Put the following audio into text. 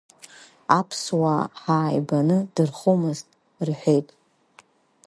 Аԥсуаа ҳааибаны дынхомызт рҳәеитеи!